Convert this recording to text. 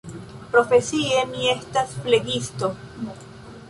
Profesie mi estas flegisto.